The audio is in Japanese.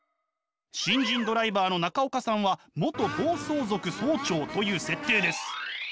新人ドライバーの中岡さんは元暴走族総長という設定です。